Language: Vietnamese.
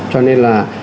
cho nên là